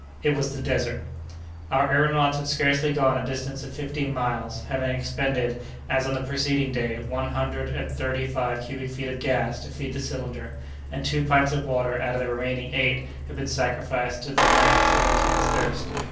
It was the Desert! Our aëronauts had scarcely gone a distance of fifteen miles, having expended, as on the preceding day, one hundred and thirty five cubic feet of gas to feed the cylinder, and two pints of water out of the remaining eight had been sacrificed to the demands of intense thirst.